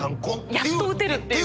やっと打てるっていう。